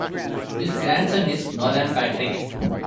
His grandson is Nolan Patrick.